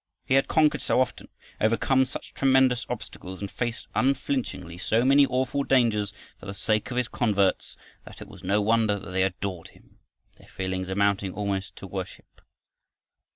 He had conquered so often, overcome such tremendous obstacles, and faced unflinchingly so many awful dangers for the sake of his converts, that it was no wonder that they adored him, their feeling amounting almost to worship.